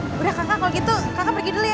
eh udah kakak kalo gitu kakak pergi dulu ya